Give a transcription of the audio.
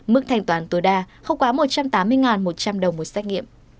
mức thanh toán tối đa không quá một trăm tám mươi một trăm linh đồng một xét nghiệm